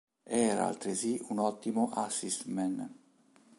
Era altresì un ottimo assist-man.